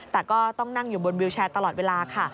แต่ก็ต้องนั่งอยู่บนวิวแชร์ตลอดเวลาค่ะ